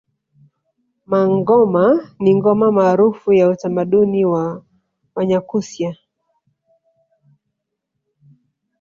Mangoma ni ngoma maarufu ya utamaduni wa Wanyakyusa